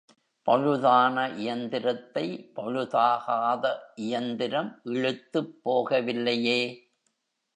பழுதான இயந்திரத்தை, பழுதாகாத இயந்திரம் இழுத்துப் போகவில்லையே!